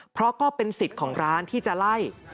เพราะก็เป็นสิทธิ์ของร้านที่จะไล่